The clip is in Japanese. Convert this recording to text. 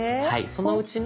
そのうちの。